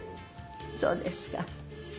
そうですか。